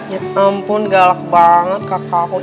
ya ampun galak banget kakak aku